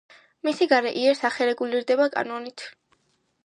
მისი გარე იერსახე რეგულირდება კანონით.